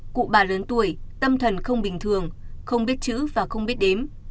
cụ bà lớn tuổi tâm thần không bình thường không biết chữ và không biết đến